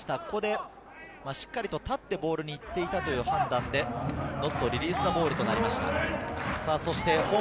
ここでしっかりと立ってボールに行っていたという判断で、ノットリリースザボールとなりました。